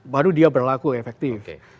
baru dia berlaku efektif